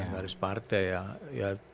garis partai ya